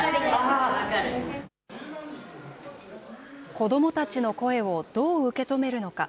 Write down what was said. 子どもたちの声をどう受け止めるのか。